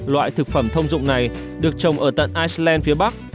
loại thực phẩm thông dụng này được trồng ở tận iceland phía bắc